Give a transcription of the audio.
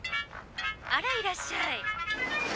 あらいらっしゃい。